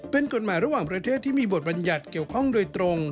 เป็นกฎหมายระหว่างประเทศที่มีบทบัญญัติเกี่ยวข้องโดยตรง